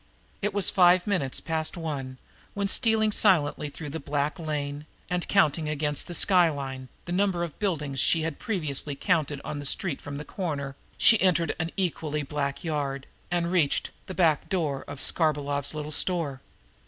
It was five minutes past one when, stealing silently along a black lane, and counting against the skyline the same number of buildings she had previously counted on the street from the corner, she entered an equally black yard, and reached the back door of Skarbolov's little store.